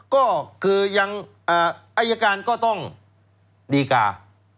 ก็คือยังอายการก็ต้องดีกา